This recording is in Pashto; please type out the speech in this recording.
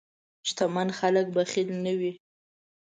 شتمن خلک بخیل نه وي.